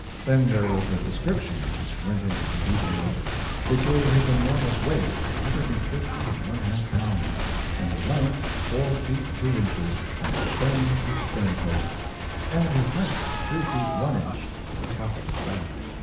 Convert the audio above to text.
Then there was a description which went into the details. It gave his enormous weight 150 1/2 pounds, and his length 4 feet 2 inches, from stem to stern post; and his height 3 feet 1 inch, to the top of his back.